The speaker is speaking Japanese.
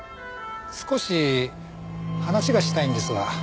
少し話がしたいんですが。